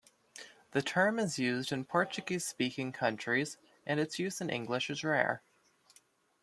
The term is used in Portuguese-speaking countries, and its use in English is rare.